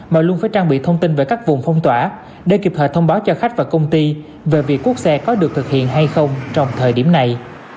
mà luôn phải trang bị thông tin về các vùng phong tỏa để kịp thời thông báo cho khách và công ty về việc quốc xe có được thực hiện hay không trong thời điểm này